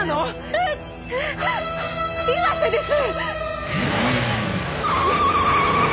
うっ岩瀬です。